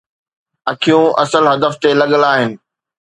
اکيون اصل هدف تي لڳل آهن.